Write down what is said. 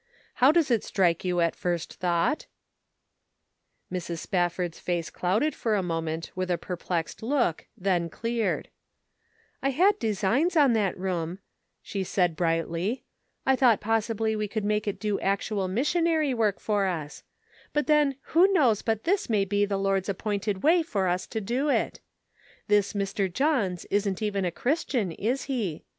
How does it strike you at first thought ?" 388 The Pocket Measure Mrs. Spafford's face clouded for a moment with a perplexed look, then cleared :" I had designs on that room," she said brightly ;" I thought possibly we could make it do actual missionary work for us ; but then who knows but this may be the Lord's ap poin ted way for us to do it ? This Mr. John's isn't even a Christian, is he